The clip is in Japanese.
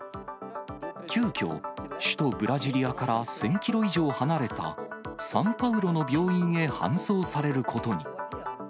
急きょ、首都ブラジリアから１０００キロ以上離れた、サンパウロの病院へ搬送されることに。